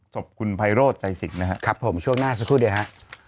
ศพคุณไพโรธใจสิทธิ์นะครับผมช่วงหน้าสักครู่เดี๋ยวฮะ